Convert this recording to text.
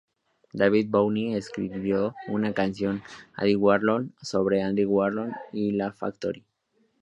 David Bowie escribió un canción, "Andy Warhol," sobre Andy Warhol y la Factory.